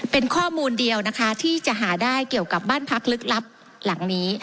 เป็นข้อมูลเดียวนะคะที่จะหาได้เกี่ยวกับบ้านพักลึกลับหลังนี้